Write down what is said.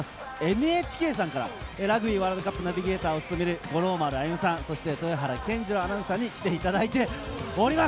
ＮＨＫさんからラグビーワールドカップナビゲーターを務める五郎丸歩さん、そして豊原謙二郎アナウンサーに来ていただいております。